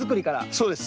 そうです。